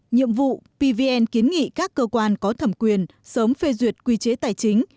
nhiệm vụ pvn kiến nghị các cơ quan có thẩm quyền sớm phê duyệt quy chế tài chính